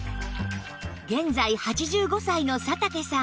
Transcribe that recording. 現在８５歳の佐竹さん